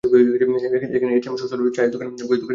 এখানে এটিএম, শৌচালয়, চায়ের দোকান, বইয়ের দোকান রয়েছে।